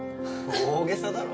大げさだろ。